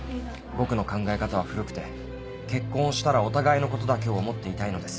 僕の考え方は古くて結婚をしたらお互いのことだけを思っていたいのです。